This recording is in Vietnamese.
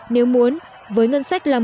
nếu muốn với ngân sách là